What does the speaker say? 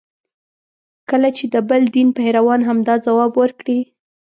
کله چې د بل دین پیروان همدا ځواب ورکړي.